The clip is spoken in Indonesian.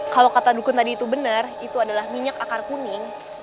kalau kata dukun tadi itu benar itu adalah minyak akar kuning